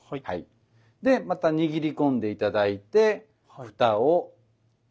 でまた握り込んで頂いて蓋をして下さい。